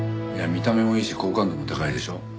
いや見た目もいいし好感度も高いでしょ。